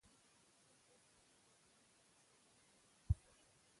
زه په دې هکله هغې ته څه نه شم ويلی